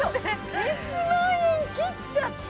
１万円切っちゃった